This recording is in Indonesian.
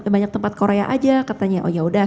banyak tempat korea aja katanya oh ya udah